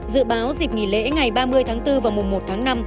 dự báo dịp nghỉ lễ ngày ba mươi tháng bốn và mùa một tháng năm